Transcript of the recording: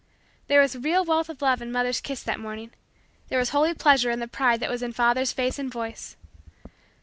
There was real wealth of love in mother's kiss that morning. There was holy pleasure in the pride that was in father's face and voice.